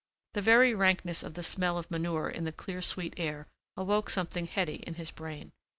The very rankness of the smell of manure in the clear sweet air awoke something heady in his brain.